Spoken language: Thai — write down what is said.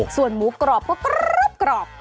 ส่วนหมูกรอบก็กรอบ